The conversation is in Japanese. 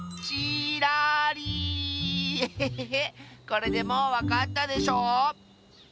これでもうわかったでしょう？